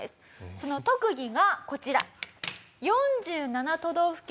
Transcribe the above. その特技がこちら。